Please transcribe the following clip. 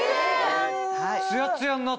ツヤツヤになった。